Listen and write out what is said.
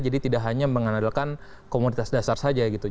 tidak hanya mengandalkan komoditas dasar saja gitu